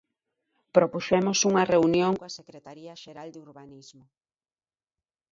Propuxemos unha reunión coa Secretaría Xeral de Urbanismo.